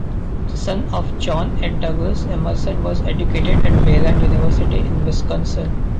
The son of John A. Douglas, Emerson was educated at Wayland University in Wisconsin.